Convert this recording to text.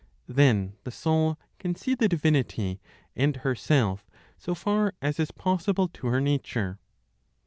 Then the soul can see the Divinity and herself, so far as is possible to her nature.